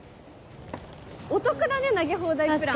お得だね投げ放題プラン。